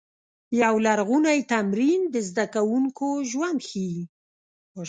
یو لرغونی تمرین د زده کوونکو ژوند ښيي.